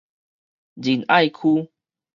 仁愛區